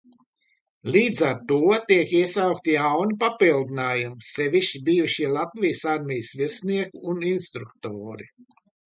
Līdz ar to tiek iesaukti jauni papildinājumi, sevišķi bijušie Latvijas armijas virsnieki un instruktori.